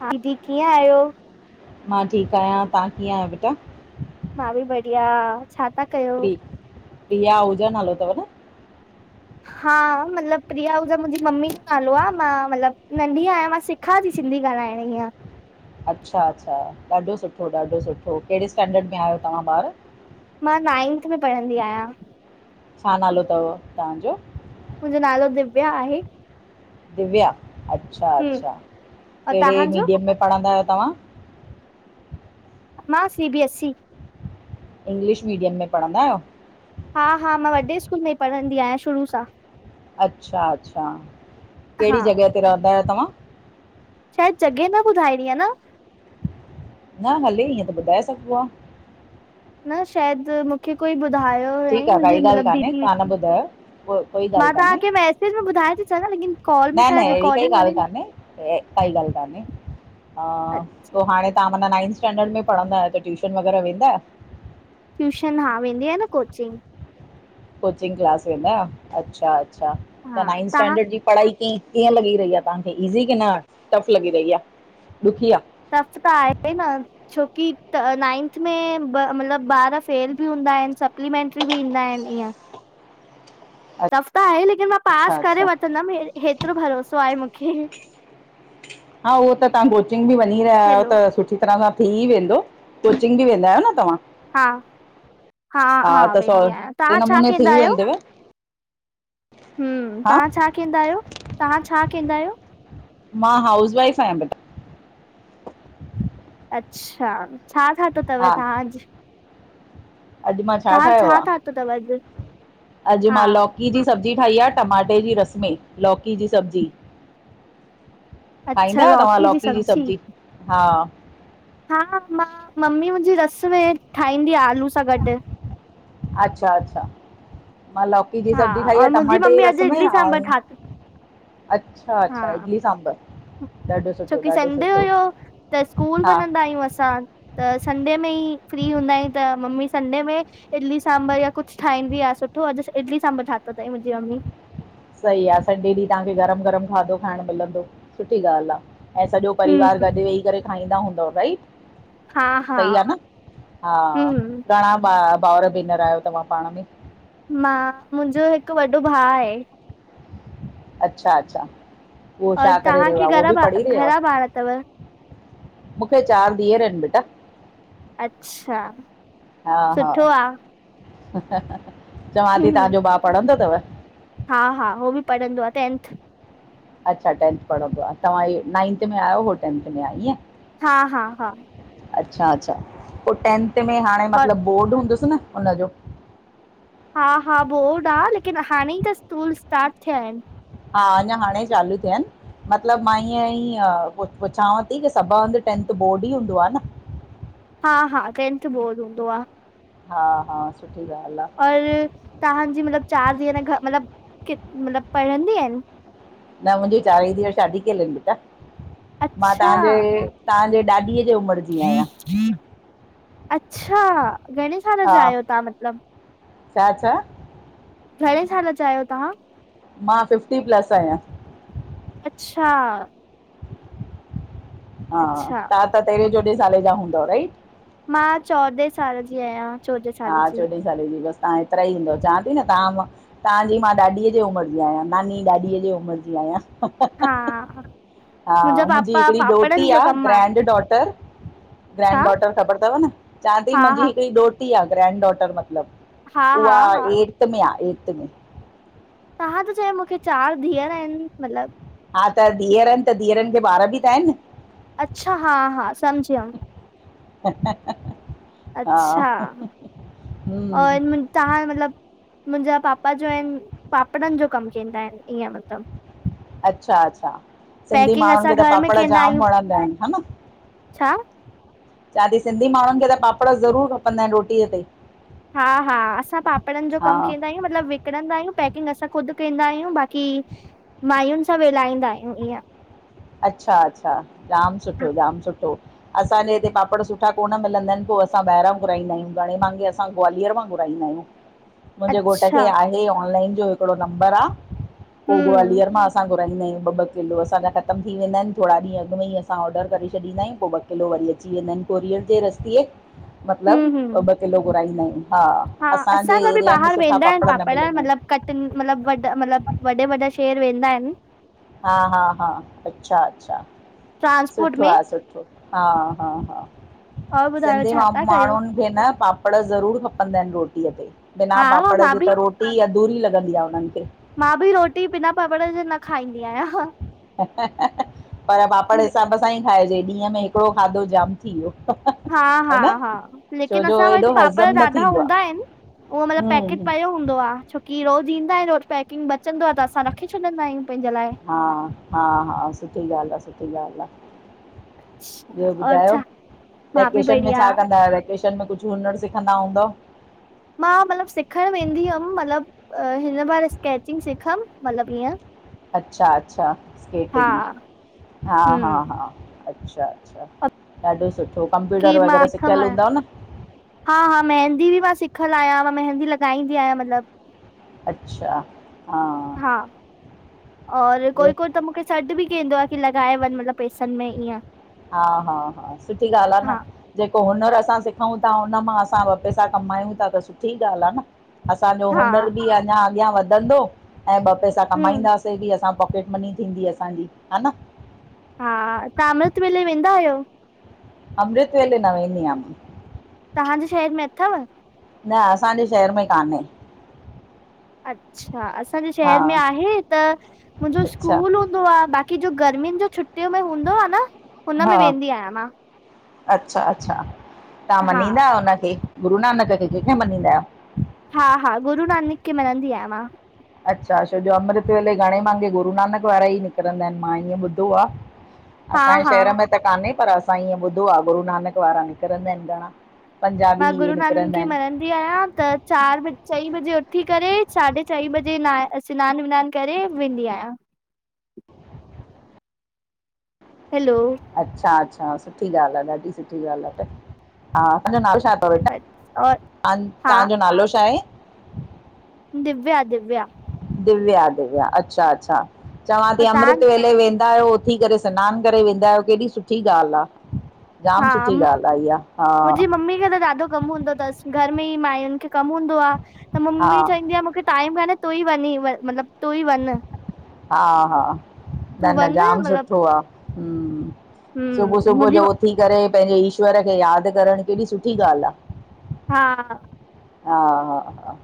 हा दीदी कीअं आहियो? मां ठीकु आहियां तव्हां कीअं आहियो बेटा? मां बि बढ़िया छा था कयो? पिया आहजा नालो अथव न? हा मतिलबु प्रिया मुंहिंजी मम्मी जो नालो आहे मां मतिलबु नंढी आहियां मां सिखां थी। सिंधी ॻाल्हाइणी। अच्छा अच्छा ॾाढो सुठो ॾाढो सुठो कहिड़े स्टैंडर्ड में आहियो तव्हां ॿार? मां नाइंथ में पढ़ंदी आहियां। छा नालो अथव तव्हांजो? मुंहिंजो नालो दिव्या आहे। दिव्या अच्छा हूं अच्छा और कहिड़े तव्हांजो? मीडियम में पढ़ंदा आहियो? तव्हां, मां, सीबीएस सी इंग्लिश मीडियम में पढ़ंदा आहियो? हा हा, मां वॾे स्कूल में ई पढ़ंदी आहियां शुरू सां। अच्छा अच्छा, हा। कहिड़ी जॻह ते रहंदा आहियो तव्हां? शायदि जॻह न ॿुधाईणी आहे न? न, हले ईअं त ॿुधाए सघबो आहे। न, शायदि मूंखे कोई। बुधायो ठीकु हुयईं आहे मुंझी काई ॻाल्हि मत्लब कान्हे दीदी, तव्हां न ॿुधायो को कोई ॻाल्हि मां कान्हे तवांखे मैसेज मे बुधाए। च ल। न न, अहिड़ी काई ॻाल्हि कान्हे काई ॻाल्हि कोन्हे। अच्छा, पोइ हाणे तव्हां माना नाइंथ स्टैडर्ड में पढ़ंदा आहियो त, ट्यूशन वग़ैरह वेंदा आहियो? ट्यूशन, हा वेंदी आहे न कोचिंग। क्लास वेंदा, अछा अछा त हा नाइंथ तव्हां स्टैंडर्ड जी पढ़ाई। ईअं लॻी रही आहे तव्हांखे ईज़ी की न टफ लॻी रही आहे, ॾुखी आहे। टफ त आहे न, छोकी नाइंथ में मतलबु ॿार फेल बि हूंदा। इंदा आहिनि सप्लीमेंट्री बि ईंदा आहिनि ईअं। टफ़ त आहे लेकिन मां पास अच्छा करे अच्छा वठंदमि हेतिरो भरोसो आहे मूंखे। हा, उहो त तव्हां कोचिंग बि वञी रहिया आहियो, हैलो त सुठी तरह सां। थी वेंदो, कोचिंग बि वेंदा आहियो न तव्हां। हा हा त वेंदी आहियां से तव्हां छा नमूने थी वेंदव। हम, हा तव्हां छा कंदा आहियो? तव्हां छा कंदा आहियो? मां, हाउस वाइफ आयां बेटा। अच्छा, छा थाद्दो अथव हा तव्हां अज। अॼु मां छा ठाहियो आहे? अथव अॼु अॼु हा मां लौकी जी सबजी सब्जी ठही आहे, टमाटे जी रस में लौकी जी सब्जी। खाईंदा आहियो तव्हां लौकी जी सब्जी, हा। हा, मां ममी मुंहिंजी रस में ठाहींदी आहे आलू सां गॾु। अच्छा अच्छा। मां लौकी जी हा सब्जी खाई और आहे मुंहिंजी टमाटे जी मम्मी रस अॼु में इडली सांभर ऐंऊ, ठातो अच्छा हा अच्छा, इडली सांबर। छोकी संडे हुयो त स्कूल हा वञंदा आहियूं असां त संडे में ई फ्रीूं। हूंदा त मम्मी संडे में इडली सांभर या कुझु ठाहींदी आहे सुठो अॼु इडली सांभर ठायो अथई मुंहिंजी मम्मी। सही आहे संडे ॾींहुं तव्हांखे गरम गरम खाधो खाइण मिलंदो सुठी ॻाल्हि आहे। ऐं, सॼो परिवार हम्म गॾु वेही करे खाईंदा हूंदव राइट। हा हा सही आहे न, हा हम्म घणा भावउर भेनर आहियो तव्हां पाण में? मां, मुंहिंजो हिकु वॾो भाउ आहे। अच्छा अच्छा उहो और छा करे रहियो तव्हांखे आहे? उहो घणा बि ॿार पढ़ी रहि आहे। घणा ॿार अथव मूंखे चारि धीअर आहिनि बेटा। अच्छा। हा हा, सुठो आहे चवां थी हम्म, तव्हांजो भा पढ़ंदो अथव। हा हा, उहो बि पढ़ंदो आहे टेंथ। अच्छा, टेंथ पढ़ंदो आहे तव्हां नाइंथ में आहियो उह टेंथ में आहे इएंं। हा हा हा। अच्छा अच्छा, पोइ टेंथ में हाणे और मतलबु बोर्ड हूंदुसि न, हुनजो। हा हा बोर्ड आ लेकिन हाणे ई त स्कूल स्टार्ट थिया आहिनि। हा, अञा हाणे चालू थिया आहिनि। मतलबु मां ईअं ई पुछांव थी की सभ हंधि टेंथ बोर्ड ई हूंदो आहे न। हा हा, टेंथ बोर्ड हूंदो आहे। हा हा। सुठी ॻाल्हि आहे और तव्हांजी मतलब चार ींह न घ मतलब क मतलब पढ़ंदी आहिनि? न मुंहिंजी चारई धीअ शादी कयल आहिनि बेटा मां अच्छा तव्हांजे, तव्हांजे ॾाॾीअ जे उमिरि जी आहियां [unintelligible] अच्छा, घणे साल जा आहियो तव्हां मतलब? छा-छा? घणे साल ज़ा आयो तव्हां? मां, फिफ्टी प्लस आहियां। अच्छा। हा, अच्छा तव्हां त तेरहें चोॾहें साल जा हूंदव राइट। मां, चौॾहें साल जी आहियां। चोॾहें हा, साल जी चोॾह साल जी बस। तव्हां हेतिरा ईंदव चवां थी न तव्हां मां तव्हांजी मां ॾाॾीअ जे उमिरि जी आहियां नानी ॾाॾीअ जी उमिरि जी आहियां। हां। हा मुंहिंजी हिकिड़ी डोटी आहे कमु आ ग्रैंड डॉटर। छा ग्रैंड डॉटर ख़बर अथव न, चवां अई हा मुंहिंजी हा हिकिड़ी डोट ग्रैंड डॉटर मत्लब हा हा उहा हा एर्थ में आहे एर्थ में। तव्हां त च मूंखे चार धीअर आहिनि मतलबु हा, त धीअरनि त धीअरनि खे ॿार बि त आहिनि। अच्छा, हा-हा समझियम। ह अच्छा, हम्म और तव्हां मतलब मुंहिंजा पापा जो आहिनि पापड़नि जो कमु कंदा आहिनि ईअं मतलबु अच्छा-अच्छा। सिंधी पैकिंग असां माण्हुनि खे त घर में पापड़ कंदा जाम आहियूं वणंदा आहिनि हा न। छा? चव थी सिंधी माण्हुनि खे त पापड़ ज़रूरु खपंदा आहिनि रोटीअ ते। हा हा, असां पापड़नि जो कमु हा कंदा आहियूं मतिलबु विकिणंदा आहियूं पैकिंग असां ख़ुदि कंदा आहियूं, बाक़ी माययुनि सां वेलाईंदा आहियूं ईअं। अच्छा अच्छा, जाम हा, सुठो जाम सुठो असांजे हिते पापड़ सुठा कोन मिलंदा आहिनि पोइ अस ॿाहिरां घुराईंद आहियूं घणे भांगे असां ग्वालियर मां घुाययूं खाईंद आहियूं। मुंहिंजे घोट खे अच्छा आहे ऑनलाइन जो हिक्ड़ो नंबर आहे पोइ हम्म ग्वालियर मां असां पाईंदा आहिय ॿ-ब किलो असां ख़तमु थी वेंदा आहिनि थोरा ॾींहं अॻु में ई असां ऑडर करे छॾींदा आहियूं पोइ ॿकिलो वरी अची वेंदा आहिनि कोरियर जे रस्तीअ ते। मतलब हम्म हम्म ब-ब किलो घुराइंदा आयूँ। हा, असांजा बि ॿाहिरि वेंदा आहिनि न पापड़ मिलंदा आहिनि मतलबु कटनी मतलबु वॾा मतलबु वॾा वॾा शहर। वेंदा आहिनि न। हा हा हा, अच्छा अच्छा ट्रांसपोर्ट सुठो में आहे सुठो, हा हा हा। और ॿुधायो सिंधी छा था कयो माण्हुनि खे न पाप पापड़ ज़रूरु खपंदा आहिनि रोटीअ ते बिना हा हा पापड़ मां जे बि त रोटी अधुरी लॻंदी आहे उन्हनि खे। मां बि रोटी बिना पापड़नि जे न खाईंदी आहियां। पर पापड़ मूंखे हिसाब सां ई खाइजे, ॾींहं में हिकिड़ो खाधो जाम थी वियो। हा हा ह न हा, लेकिन छोजो असां वटि एॾो पापड़ हज़म न ॾाढा थींदो आ हूंदा आहिनि। उहो मतलबु हम्म पैकेट हम्म, पियो हूंदो आहे, छोकी रोज़ इंदा आइन्न ओर पैकिंग चंदो आहे त असां रखे छॾंदा आहियूं पंहिंजे लाइ। हा हा हा सुठी ॻाल्हि आ सुठी ॿियो और ॿुधायो छा मां बि वेकेशन बढ़िया छा कंदा आयो? किचन में कुझु हुनरु सिखंदा हूंदा मां मतलबु सिखणु वेंदी हुयमि, मतलबु हिन बार स्केचिंग सिखियमि मतलबु हअं। अच्छा, अच्छा, स्केटिंग हा! हा! हम्म हा! अच्छा, अच्छा ॾाढो सुठो कंप्यूटर की मां वग़ैरह सिखियल सिखमि आहियां हूंदव न। हा, हा मेहंदी बि मां सिखल आयाम, मेहंदी लॻाईंदी आहियां मतिलबु अच्छा, हा। हा और ॿियो कोई कोई त मुखे सॾु बि कंदो आहे की लॻाए वञ मतिलबु पेसनि में ईअं। हा हा हा सुठी ॻाल्हि आहे न हा जे पोइ हुनर असां सिखूं था, हुन मां असां ॿ पैसा कमायूं था त सुठी ॻाल्हि आ न। असांजो हुनर हा बि अञा अॻियां वधंदो ऐं ॿ पैसा हम्म कमाईंदासीं बि असां। पॉकेट मनी थींदी असांजी, हा न। हा, तां अमृत वेले वेंदा आहियो? अमृत वेले न वेंंदी आ मां। तव्हांजे शहर में अथव? न असांजे शहर में कान्हे अच्छा असांजे हा शहर में आहे त मुंहिंजो अच्छा स्कूल हूंदो आहे बाक़ी की जो गर्मीुनि जो छुटयू में हूंदो आ न, हुन हा मै वेंदी आहियां मां। अच्छा अच्छा तव्हां हा मञीदा आहियो? उनखे गुरू नानक खे कंहिंखे मञिदां आहियो। हा, हा गुरु नानक खेे मन्नदी आह मां। अच्छा अच्छा, जो अमृत वेले घणे भांगे गुरू नानक वारा ई निकिरंदा आहिनि मां ईअं ॿुधो आ। हा असांजे हा शहर में त कान्हे पर असां ईअं ॿुधो आ गुरुनानक वारा निकिरंदा आहिनि घणा। पंजाबी मां इहे गुरू नानक निकिरंदा खे आहिनि मनन्दी आहियां त चारि ब, चईं बजे उथी करे साढे चईं बजे, न सनानु, वनान करे वेंदी आहियां। हैलो अच्छा, अच्छा सुठी ॻाल्हि आ, ॾाढी सुठी ॻाल्हि आ। तुहंजो नाल छा थव वेटा, और तां हा तांजो नालो छा आहे? दिव्या, दिव्या। दिव्या दिव्या अच्छा अच्छा चवां थी और तव्हां अमृत वेले वें वेंदा आहियो, उथी करे सनानु करे वेंदा आहियो, केॾी सुठी ॻाल्हि आ। जाम हा सुठी ॻाल्हि आ, इहा हा। कम हूंदो थस। घर में ई माईट खे कम हूंदो आ त मम्मी हा चईंदी आ मुखे टाइम मैनेज तूं ई वञी व मतलब तूं ई वन। हा हा। न, वञ न जाम मतिलबु सुठो आ। हू, सुबुह, हम्म सुबुह मुंहिंजी जो उथी करे पंहिंजे ईश्वर खे यादि करणु केॾी सुठी ॻाल्हि आ। हा हा, हा, हा।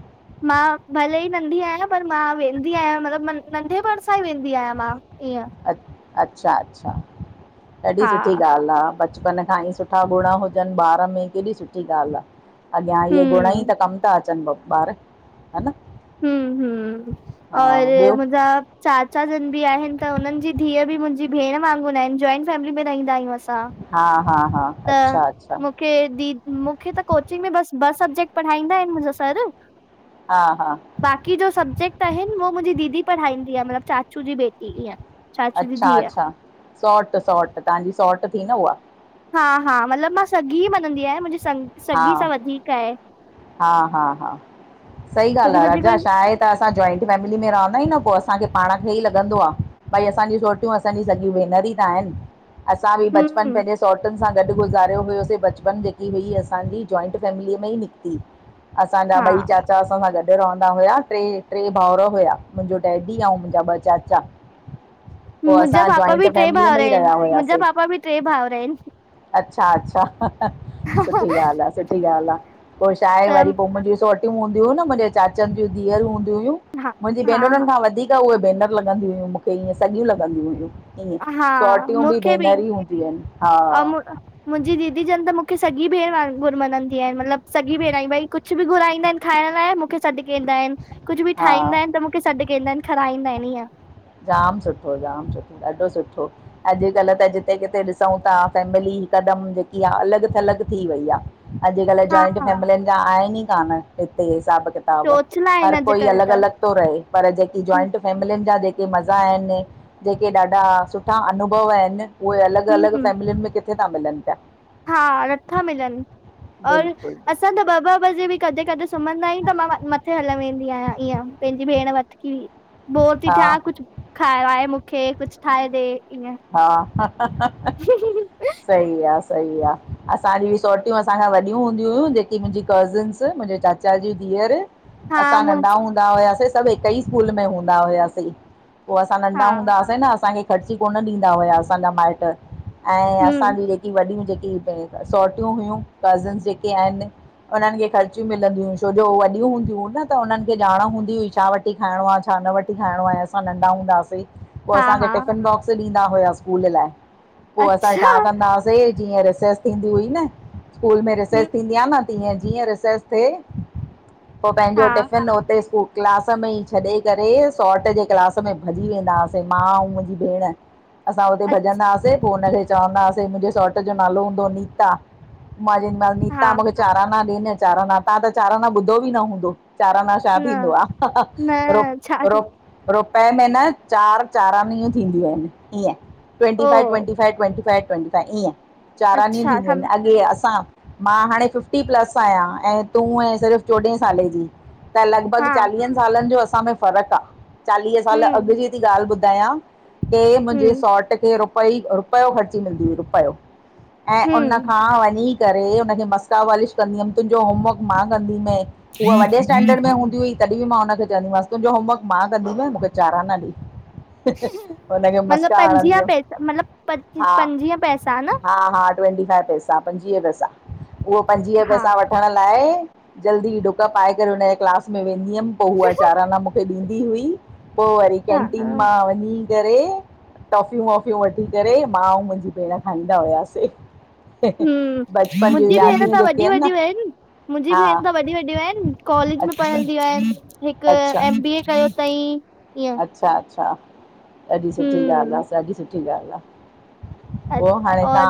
मां भले ई नंढी आहियां, पर मां वेंदी आहियां मतलबु नंढिपिण सां ई वेंदी आहियां मां। ईअं अ अच्छा अच्छा ॾाढी हा सुठी ॻाल्हि आहे ब बचपन खां ई सुठा गुण हुजनि ॿार में केॾी सुठी ॻाल्हि आ। अॻियां इहे गुण ई हम्म त कमु था अचनि ॿार हा न। हूं हूं हा और ॿियो मुंहिंजा चा काउसिन भी आहिनि त हुनननि जी धीउ बि मुंहिंजी भेण वांगुर आहिनि, जॉइंट फैमिली में रहंदा आहियूं असीं हा हा हा त अच्छा अच्छा मुखे द मुखे त कोचिंग में बस बस सब्जेक्ट पढ़ाईंदा आहिनि मुंजा सर। हा, हा बाक़ी जो सब्जेक्ट आहिनि उहो मुंहिंजी दीदी पढ़ाईंदी आ मतिलबु चाचू जी बेटी ईअ। अच्छा, अच्छा सॉट, सॉट तव्हांजी सॉट थी न उहा हा हा मतलबु मां सॻी मञंदी आहियां मुंहिंजी स हा सॻी सां वधीक आहे। हा, हा, हा सही ॻाल्हि छोकी आ मुंहिंजी राजा, कोई छा आहे त असां जॉइंट फैमिली में रहंदा आहियूं न पो असांखे पाण खे ई लॻंदो आ भई असांजी सोटियूं असांजी सॼी भेनर त आहिनि। असां बि बचपन हम्म पंहिंजे सौटुनि गॾु गुज़ारियो हुयोसीं बचपन जेकी हुई असांजी जॉइंट फैमिलीअ में ई निकिती असांजा हा ॿई चाचा असां सां गॾु रहंदा हुया टे भाउर हुया मुंहिंजो डैडी ऐं मुंहिंजा ॿ चाचा पोइ मुंहिंजा असां पापा जॉइंट बि टे फैमिलीअ भाउर में ई आहिनि रहिया मुंहिंजा हुआसीं। पापा बि टे भाउर आहिनि अच्छा अच्छा, सुठी ॻाल्हि आहे सुठी ॻाल्हि आहे पोइ छा आहे वरी त पोइ मुंहिंजी चोटियूं हूंदी हुयूं न मुंहिंजे चाचनि जूं धीअरूं हूंदी हुयूं, हा मुंहिंजी हा भेनरुनि हा खां वधीक उहे बैेनर लॻंदी हुयूं मूंखे ईअं सॼियूं लॻंदी हुयूं। ईअं हा सोटियूं मूंखे बि भेनर ई हूंदियूं आहिनि हा ऐं, मुंहिंजी दीदी जनि त मूंखे सॼी भेण घुरमञंदी आहिनि मतलबु सॻी भेण भई कुझु बि घुराईंदा आहिनि खाइण लाइ मूंखे सॾुकंदा आहिनि। कुझु बि हा ठाहींदा आहिनि त मूंखे सॾु कंदा आहिनि खाराईंदा आहिनि इीअं। जाम सुठो जाम सुठो ॾाढो सुठो, अॼुकल्ह त जिते किथे ॾिसूं था फैमिली कदम जेकी आहे अलॻि थलि थी वई आहे। अॼुकल्ह हा जॉइंट फैमिलिय जा आहिनि ई कान हिते हिसाब चोचला हर आहिनि कोई अॼुकल्ह अलॻि त अलॻि थो रहे पर जेकी हम्म जॉंट फमिल जा के मज़ा आहिनि जेके ॾाढा सुठा अनुभव आहिनि उहे अलॻि अलॻि हम्म, फैमिलियुनि में किथे कथे त मिलनि पिया हा नथा मिलनि। और बिल्कुलु असां त ॿ ॿ बजे बि कॾहिं कॾे सुम्हंदा आहियूं त मां मथे हल वेंदीमि ईअं पंहिंजी भेण वठ की बोर थी हा थियया कुझु खायो आहे मूंखे, कुझु ठाहे ॾे। ईअं हा ह सईी आहे। सही आहे असांजी रिसोटियूं असांखां वॾियूं हूंदी हुयूं जेकी मुंहिंजी कज़िन्स मुंहिंजे चाचा जी धीअर हा असां नंढा मुंहिंज हूंदा हुआसीं सभु हिक ई स्कूल में हूंदा हुआसीं। पोइ असां नंढा हा हूंदा हुआसीं न असांखे ख़र्ची कोन ॾींदा हुआ असांजा माइटु। ऐं हम्म असांजी जेकी वॾियूं जेकी सौटियूं हुयूं कज़न्स जेके आहिनि हुनननि खे ख़र्चिय मिलंदिय हुूं छो जो वॾियूं हूंदिय हुूं न त हुननि खे ॼाण हूंदी हुई छा वठी खाइणो आहे छा न वथि खाइणो आहे असां नंढा हूंदाआसीं पोइ हा असांखे हा टिफिन बॉक्स ॾींदा हुआ स्कूल लाइ, पोइ असां अच्छा छा कंदा हुआसीं जीअं रिसेच थींदी हुई न स्कूल में हम्म रिसेच थींदी आहे न तीअं जीअं रिसेस थिए, पोइ पंहिंजो हा टिफिन उते स्कू क्लास में ई छॾे करे सौट जे क्लास में भॼी वेंदा हुआसीं, मां ऐं मुंहिंजी भेण। असां हुते अ भॼंदा हुासीं, पोइ हुनखे चवंदाासीं मुंहिंजे सौट जो नालो हूंदो हो नीता। मां हा नीता मूंखे चाराना ॾिननि चाराना, तव्हां त चाराना ॿुधो बि न हूंदो। चाराना छा न थींदो आहे, न छा थी चार थींदियूं आहिनि ईअं ट्वैंटी ओ five twenty five twenty five. ईअं चारां ॾींहं अच्छा थींदियूं आहिनि सम अॻे असां मां हाणे फिफ्टी प्लस आहियां ऐं तूं ऐं सिर्फ़ु चोॾहें साले जी। त हा चालीनि सालनि जो असां में फ़र्क़क आहे, चालीह साल अॻु हम्म जी ॻाल्हि ॿुधां मुंहिंजे हम्म सौट खे रुपयो ख़र्ची मिलंदी हुई, रुपियो। ऐं उन हम्म खां वञी करे तुंहिंजो होमवर्क मां कंदी हूहा वॾे स्टैंडर्ड में हूंदी हुई। तॾहिं बि मां हुनखे चवंदीमांस, तुंहिंजो होमवर्क मां कंदीमांइ मूंखे चाराना ॾेई। मतिलब पंजीह पैसा न हां ट्वेंटी फाइव पैसा पन्जीव पैसा उहे पन्जीव हा पैसा वठड़ लाहे जल्दी ॾुक पाए करे हुनजे क्लास में वेंदी हुयमि पोइ उहा चाराना मूंखे ॾींदी हुई। पोइ वरी हा कैंटीन मां वञी करे टॉफियूं वॉफ़ियूं वठी करे मां ऐं मुंहिंजी भेण खाईंदा हुआसीं। हूं, बचपन जूं मुंहिंजी भेण यादियूं त जेके वॾीूं न वॾियूं आहिनि। मुंहिंजी हा भेण त वॾी वॾियूं आहिनि, कॉलेज में अच्छा पढ़ंदी आहिनि, हिकु अच्छा एम बी ए कयो अथईं। अच्छा अच्छा। सुठी ॻाल्हि हम्म आहे ॾाढी सुठी ॻाल्हि आहे, अ- पोइ हाणे और